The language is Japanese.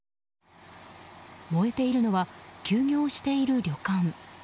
燃えているのは休業している旅館。